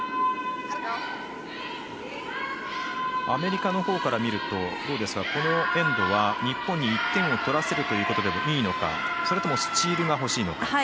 アメリカのほうから見るとこのエンドは日本に１点を取らせることでいいのかそれともスチールが欲しいのか。